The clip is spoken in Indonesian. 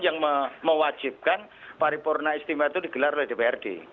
yang mewajibkan paripurna istimewa itu digelar oleh dprd